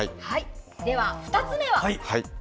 では、２つ目は？